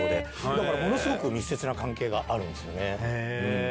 だからものすごく密接な関係があるんですよね。